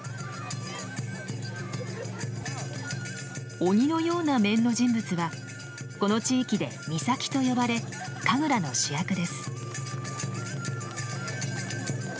鬼のような面の人物はこの地域で駈仙と呼ばれ神楽の主役です。